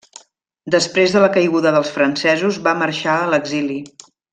Després de la caiguda dels francesos va marxar a l'exili.